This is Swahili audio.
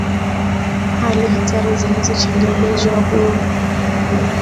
Hali hatari zinazochangia ugonjwa huu